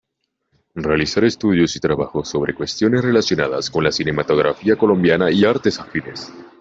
Realizar estudios y trabajos sobre cuestiones relacionadas con la cinematografía colombiana y artes afines.